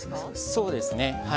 そうですね。